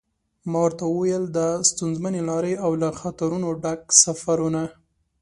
ما ورته و ویل دا ستونزمنې لارې او له خطرونو ډک سفرونه.